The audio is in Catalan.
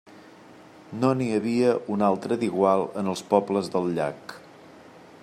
No n'hi havia un altre d'igual en els pobles del llac.